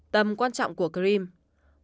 tầm quan trọng của crimea